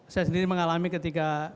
saya sendiri mengalami ketika